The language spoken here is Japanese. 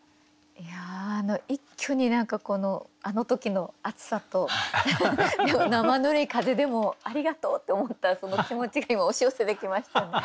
いや一挙にあの時の暑さと生ぬるい風でもありがとうって思った気持ちが今押し寄せてきましたね。